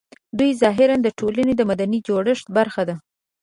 دوی ظاهراً د ټولنې د مدني جوړښت برخه ده